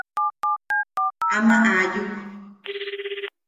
–Ama aayuk.